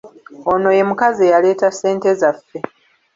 Ono ye mukazi eyaleeta ssente zaffe.